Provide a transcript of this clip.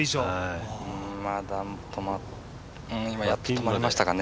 まだ止まりましたかね。